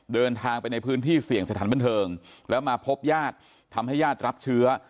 เดินทางไปในพื้นที่เสี่ยงสถานบันเทิงแล้วมาพบญาติทำให้ญาติรับเชื้อ